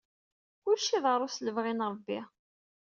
Kullec iḍerru s lebɣi n Ṛebbi.